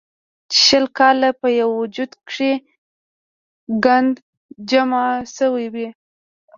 چې شل کاله پۀ يو وجود کښې ګند جمع شوے وي